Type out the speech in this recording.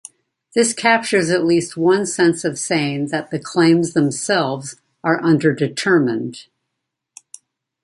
This captures at least one sense of saying that the claims themselves are underdetermined.